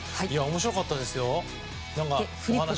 面白かったですよ。